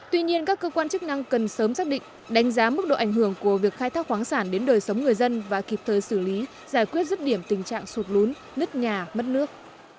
tuy nhiên các cơ quan chức năng cần sớm xác định đánh giá mức độ ảnh hưởng của việc khai thác khoáng sản đến đời sống người dân và kịp thời xử lý giải quyết rứt điểm tình trạng sụt lún nứt nhà mất nước